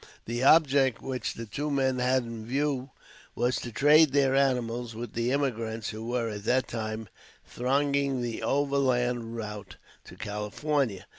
The object which the two men had in view was to trade their animals with the emigrants who were, at that time, thronging the overland route to California.